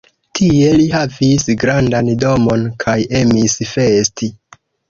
Tie li havis grandan domon kaj emis festi.